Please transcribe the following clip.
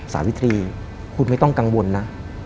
สาวิตรีคุณไม่ต้องกังวลนะ